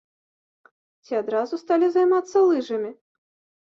Ці адразу сталі займацца лыжамі?